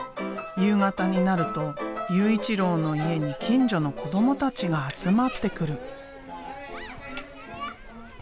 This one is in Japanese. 夕方になると悠一郎の家に近所の子どもたちが集まってくる。